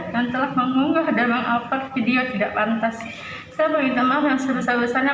yang telah mengunggah dan mengapal video tidak pantas saya meminta maaf yang serius seriusannya